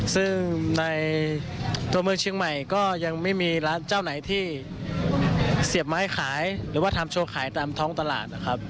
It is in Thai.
ซึ่งในตัวเมืองเชียงใหม่ก็ยังไม่มีร้านเจ้าไหนที่เสียบไม้ขายหรือว่าทำโชว์ขายตามท้องตลาดนะครับ